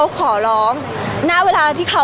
พี่ตอบได้แค่นี้จริงค่ะ